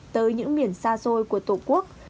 tới những miền xa xôi của tổ quốc